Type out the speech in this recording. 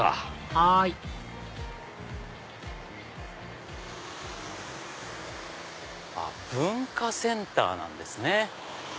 はい文化センターなんですね。